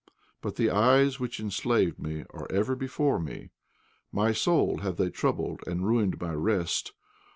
"But the eyes which enslaved me are ever before me. My soul have they troubled and ruined my rest.